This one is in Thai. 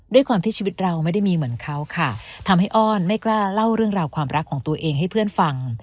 ด้วยความที่ชีวิตเราไม่ได้มีเหมือนเขาค่ะทำให้อ้อนไม่กล้าเล่าเรื่องราวความรักของตัวเองให้เพื่อนฟัง